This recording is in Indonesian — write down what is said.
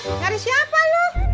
eh nyari siapa lu